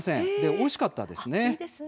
おいしかったです。